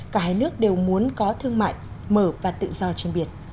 cả hai nước đều muốn có thương mại mở và tự do trên biển